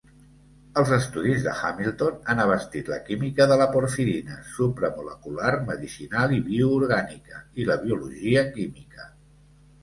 Els estudis de Hamilton han abastit la química de la porfirina, supramolecular, medicinal i bioorgànica i la biologia química.